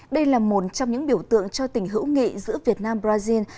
đây là một trong những biểu tượng cho tình hữu nghị giữa việt nam brazil